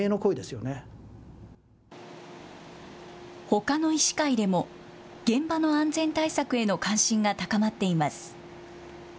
ほかの医師会でも現場の安全対策への関心が高まっています。